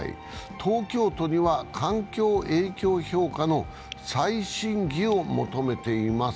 東京都には環境影響評価の再審議を求めています。